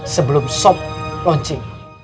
sebelum sob launching